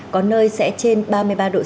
có nơi sẽ trên ba mươi ba độ c